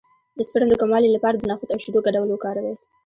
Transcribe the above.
د سپرم د کموالي لپاره د نخود او شیدو ګډول وکاروئ